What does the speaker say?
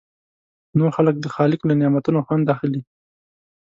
نور خلک د خالق له نعمتونو خوند اخلي.